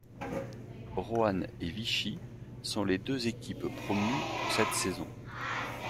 Roanne et Vichy sont les deux équipes promues pour cette saison.